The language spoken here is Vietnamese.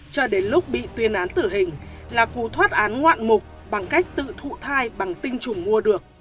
cho đến lúc bị tuyên án tử hình là cú thoát án ngoạn mục bằng cách tự thụ thai bằng tinh trùng mua được